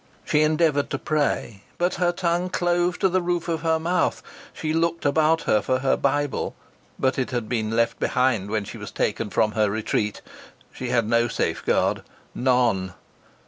She endeavoured to pray, but her tongue clove to the roof of her mouth. She looked about for her Bible, but it had been left behind when she was taken from her retreat. She had no safeguard none.